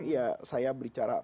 ya saya berbicara